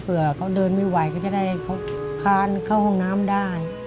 เขาเดินไม่ไหวก็จะได้เขาค้านเข้าห้องน้ำได้